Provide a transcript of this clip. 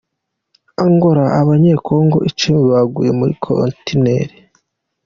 Angola Abanyekongo icumi baguye muri kontineri